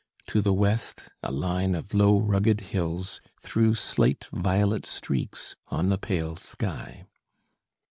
To the west, a line of low rugged hills threw slight violet streaks on the pale sky.